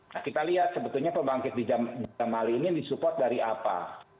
nah kita lihat sebetulnya pembangkit di jamali ini disupport dari apa